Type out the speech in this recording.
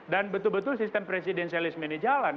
dan betul betul sistem presidensialisme ini jalan